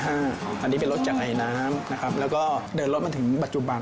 อันนี้เป็นรถจากไอน้ำนะครับแล้วก็เดินรถมาถึงปัจจุบัน